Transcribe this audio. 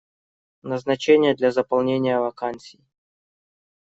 Назначения для заполнения вакансий.